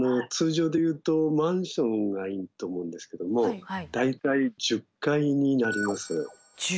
通常で言うとマンションがいいと思うんですけども大体１０階になります。